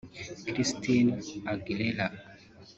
Christina Aguilera